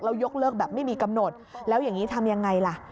แล้วยกเลิกแบบไม่มีกำหนดแล้วอย่างนี้ทำยังไงล่ะ